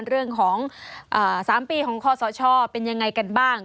เรื่องของ๓ปีของคอสชเป็นยังไงกันบ้าง